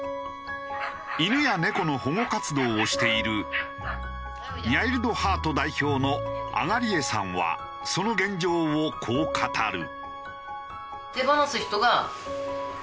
犬や猫の保護活動をしているにゃいるどはーと代表の東江さんはその現状をこう語る。